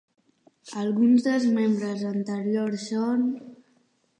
Alguns dels membres anteriors són...